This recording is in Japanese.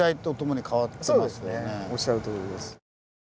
おっしゃるとおりです。